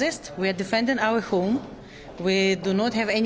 kita menyerang rumah kita kita tidak memiliki pilihan lain